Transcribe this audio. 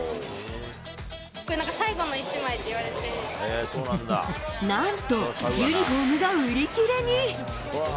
これ、なんと、ユニホームが売り切れに。